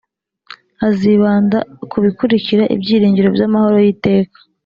azibanda ku bikurikiraIbyiringiro by’amahoro y’iteka